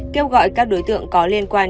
kêu gọi các đối tượng có liên quan